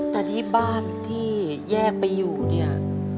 แต่นี่บ้านที่แยกไปอยู่เนี่ย